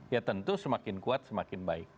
ya tentu semakin kuat semakin baik